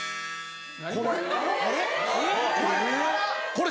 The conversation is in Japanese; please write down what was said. これ。